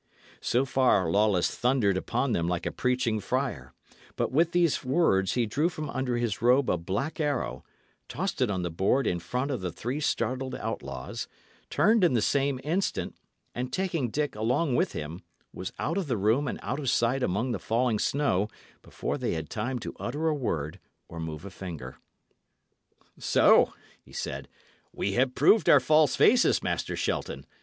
So far Lawless thundered upon them like a preaching friar; but with these words he drew from under his robe a black arrow, tossed it on the board in front of the three startled outlaws, turned in the same instant, and, taking Dick along with him, was out of the room and out of sight among the falling snow before they had time to utter a word or move a finger. "So," he said, "we have proved our false faces, Master Shelton.